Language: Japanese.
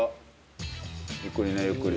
ゆっくりねゆっくり。